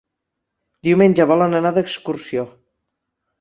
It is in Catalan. Diumenge volen anar d'excursió.